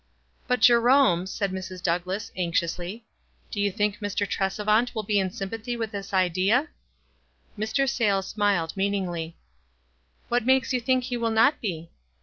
"But, Jerome," said Mrs. Douglass, anxious ly. " do you think Mr. Tresevant will be in sym pathy with this idea?" Mr. Sayles smiled meaningly. "What makes yon think he will not be?"